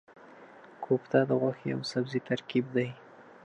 کوفته د غوښې او سبزي ترکیب دی.